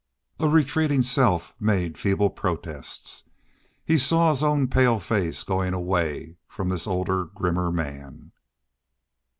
A retreating self made feeble protests. He saw his own pale face going away from this older, grimmer man.